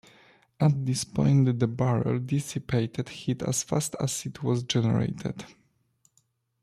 At this point the barrel dissipated heat as fast as it was generated.